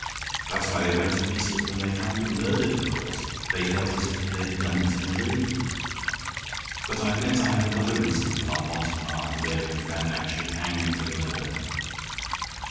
That's why they went to pieces when they found him murdered, of course. They felt as if they'd done it in a dream. But I admit I have another reason for not wanting our Hungarian friend actually hanged for the murder."